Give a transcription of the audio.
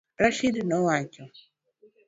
Rashid nowacho